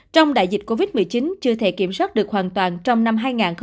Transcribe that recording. trong đại dịch covid một mươi chín chưa thể kiểm soát được hoàn toàn trong năm hai nghìn hai mươi